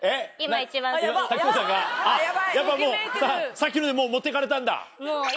さっきのでもう持って行かれたんだ？